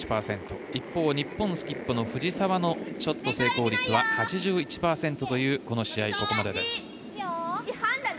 一方、日本、スキップ藤澤のショット成功率は８１％というこの試合、ここまでです。